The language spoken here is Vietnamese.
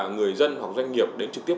người dân hoặc doanh nghiệp đến trực tiếp